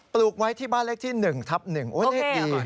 ลูกไว้ที่บ้านเลขที่๑ทับ๑เลขดี